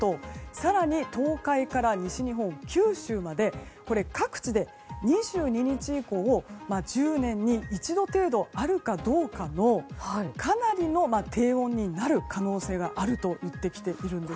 更に東海から西日本、九州まで各地で２２日以降１０年に一度程度あるかどうかのかなりの低温になる可能性があるといってきているんです。